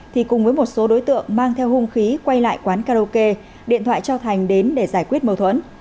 thì cùng với một số đối tượng mang theo hung khí quay lại quán karaoke điện thoại cho thành đến để giải quyết mâu thuẫn